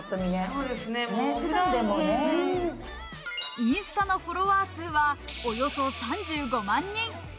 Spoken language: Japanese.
インスタのフォロワー数はおよそ３５万人。